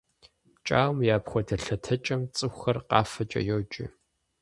ПкӀауэм и апхуэдэ лъэтэкӀэм цӀыхухэр къафэкӀэ йоджэ.